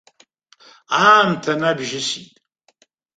Аамҭа набжьысит.